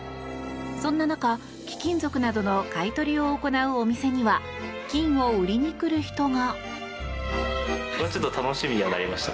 そんな中、貴金属などの買い取りを行うお店には金を売りに来る人が。